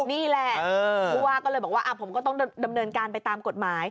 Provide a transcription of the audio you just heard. นี่แหละผู้ว่าก็เลยบอกว่าผมก็ต้องดำเนินการไปตามกฎหมาย